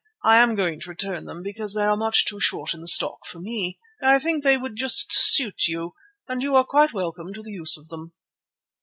I am going to return them, because they are much too short in the stock for me. I think they would just suit you, and you are quite welcome to the use of them."